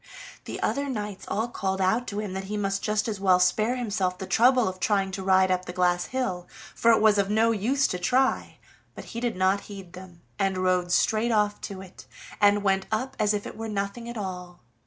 The other knights all called out to him that he might just as well spare himself the trouble of trying to ride up the glass hill, for it was of no use to try; but he did not heed them, and rode straight off to it, and went up as if it were nothing at all.